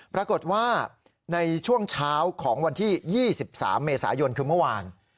ปรากฏว่าในช่วงเช้าของวันที่๒๓เมษายนคือเมื่อวาน